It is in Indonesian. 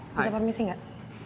bisa permisi gak